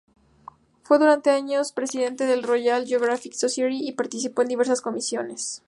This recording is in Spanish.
Fue durante años presidente de la Royal Geographical Society y participó en diversas comisiones.